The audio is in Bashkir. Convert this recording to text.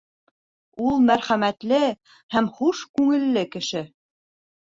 Ул мәрхәмәтле һәм хуш күңелле кеше.